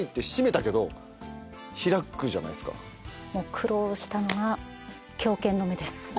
苦労したのが『凶犬の眼』です。